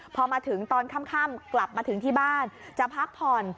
พอมาถึงตอนค่ำกลับมาถึงที่บ้านจะพักผ่อน